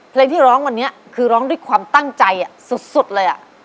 เพลงที่ร้องวันนี้คือร้องด้วยความตั้งใจสุดเลย